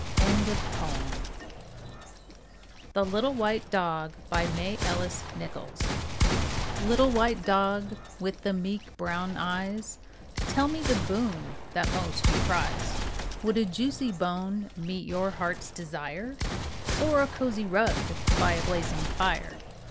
ANONYMOUS. THE LITTLE WHITE DOG Little white dog with the meek brown eyes, Tell me the boon that most you prize. Would a juicy bone meet your heart's desire? Or a cozy rug by a blazing fire?